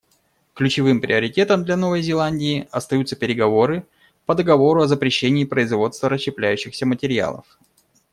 Ключевым приоритетом для Новой Зеландии остаются переговоры по договору о запрещении производства расщепляющихся материалов.